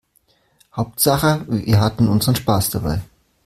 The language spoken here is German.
Hauptsache wir hatten unseren Spaß dabei.